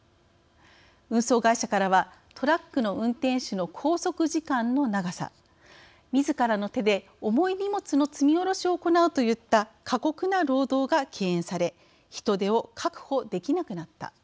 運送会社からはトラックの運転手の拘束時間の長さみずからの手で重い荷物の積み下ろしを行うといった過酷な労働が敬遠され人手を確保できなくなった。